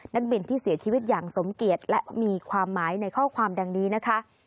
นักบินที่เสียชีวิตอย่างสมเกียจและมีความหมายในข้อความดังนี้นะคะ